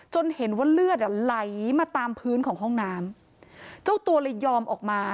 เห็นว่าเลือดอ่ะไหลมาตามพื้นของห้องน้ำเจ้าตัวเลยยอมออกมา